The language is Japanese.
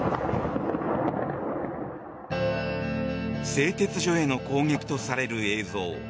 製鉄所への攻撃とされる映像。